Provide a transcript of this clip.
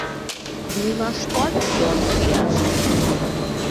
দুই মাস পর দলে ফিরে আসেন।